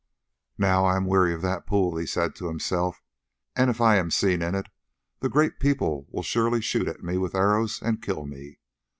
"Now I am weary of that pool," he said to himself, "and if I am seen in it the Great People will surely shoot at me with arrows and kill me.